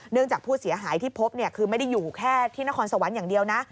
จากผู้เสียหายที่พบคือไม่ได้อยู่แค่ที่นครสวรรค์อย่างเดียวนะ